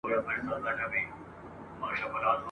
د پسرلي په شنه بګړۍ کي انارګل نه یمه ..